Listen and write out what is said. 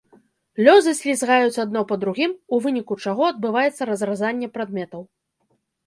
Лёзы слізгаюць адно па другім, у выніку чаго адбываецца разразанне прадметаў.